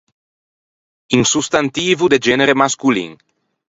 Un sostantivo de genere mascolin.